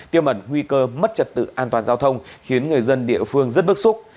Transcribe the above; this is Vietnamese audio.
tiêu mẩn nguy cơ mất trật tự an toàn giao thông khiến người dân địa phương rất bức xúc